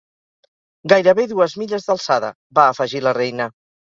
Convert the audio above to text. "Gairebé dues milles d'alçada", va afegir la reina.